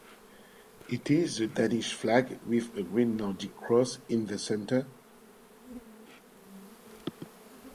It is the Danish flag with a green Nordic cross in the centre.